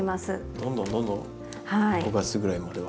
どんどんどんどん５月ぐらいまでは。